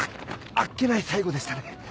あっけない最期でしたね。